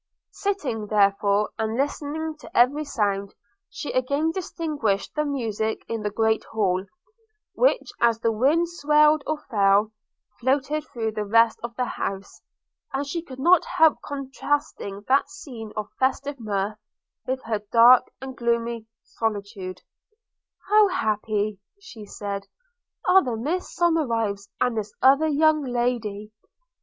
Sitting therefore and listening to every sound, she again distinguished the music in the great hall, which, as the wind swelled or fell, floated through the rest of the house; and she could not help contrasting that scene of festive mirth with her dark and gloomy solitude: – 'How happy,' said she, 'are the Miss Somerives, and this other young lady!